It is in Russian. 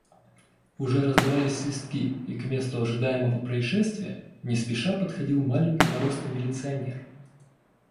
Уже раздавались свистки и к месту ожидаемого происшествия не спеша подходил маленького роста милиционер.